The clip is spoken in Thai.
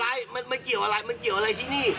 อะไรมันเกี่ยวอะไรมันเกี่ยวอะไรที่นี่